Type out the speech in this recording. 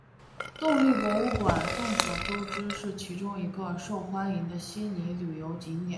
动力博物馆众所周知是其中一个受欢迎的悉尼旅游景点。